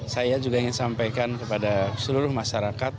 saya juga ingin sampaikan kepada seluruh masyarakat